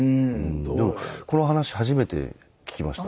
でもこの話初めて聞きました。